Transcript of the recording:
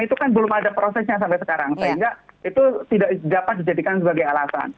itu kan belum ada prosesnya sampai sekarang sehingga itu tidak dapat dijadikan sebagai alasan